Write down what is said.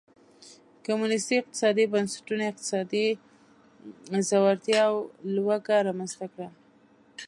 کمونېستي اقتصادي بنسټونو اقتصادي ځوړتیا او لوږه رامنځته کړه.